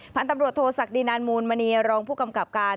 พันธุ์ตำรวจโทษศักดีนานมูลมณีรองผู้กำกับการ